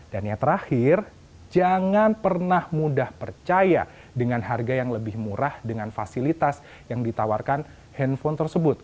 dan yang terakhir jangan pernah mudah percaya dengan harga yang lebih murah dengan fasilitas yang ditawarkan handphone tersebut